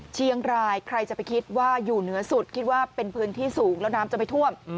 เชียงรายใครจะไปคิดว่าอยู่เหนือสุดคิดว่าเป็นพื้นที่สูงแล้วน้ำจะไปท่วม